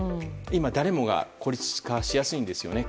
今、誰もが孤立化しやすいんですよね。